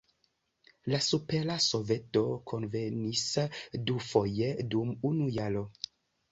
La Supera Soveto kunvenis dufoje dum unu jaro.